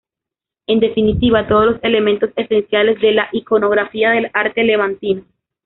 En definitiva, todos los elementos esenciales de la iconografía del Arte Levantino.